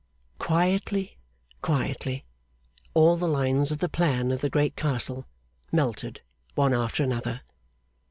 Quietly, quietly, all the lines of the plan of the great Castle melted one after another.